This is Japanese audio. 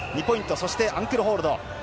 そして、アンクルホールド。